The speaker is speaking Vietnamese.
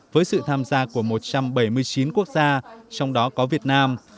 với sự tham gia của một trăm bảy mươi chín quốc gia trong đó có việt nam